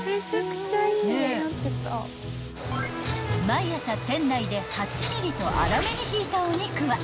［毎朝店内で８ｍｍと粗めにひいたお肉は］